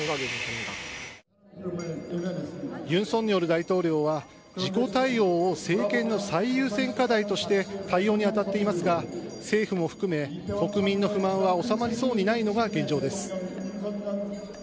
尹錫悦大統領は、事故対応を政権の最優先課題として対応に当たっていますが政府も含め、国民の不満は収まりそうにないのが現状です。